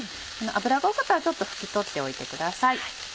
油が多かったら拭き取っておいてください。